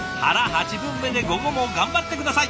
八分目で午後も頑張って下さい！